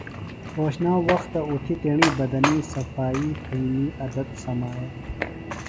رھوشنام وختہ اُتھیۡ تیݨی بدنی صفائی تھئنی عدت سمایہ۔